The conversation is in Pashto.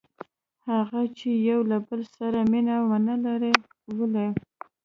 هغه چې یو له بل سره مینه ونه لري؟ ولې؟